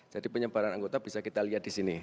jadi penyebaran anggota bisa kita lihat di sini